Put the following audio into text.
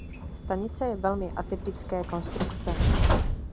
Stanice je velmi atypické konstrukce.